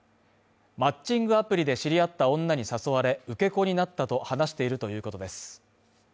マッチングアプリで知り合った女に誘われ、受け子になったと話しているということです。